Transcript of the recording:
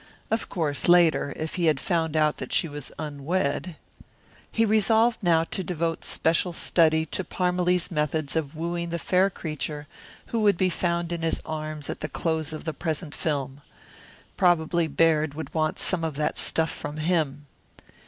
Of course, later, if he had found out that she was unwed He resolved now to devote special study to Parmalee's methods of wooing the fair creature who would be found in his arms at the close of the present film. Probably Baird would want some of that stuff from him.